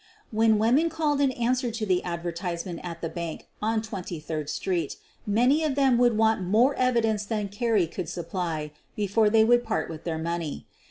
'' When women called in answer to the advertise ment at the bank on Twenty third street many of them would want more evidence than Carrie could supply before they would part with their money.